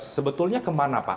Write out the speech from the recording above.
sebetulnya kemana pak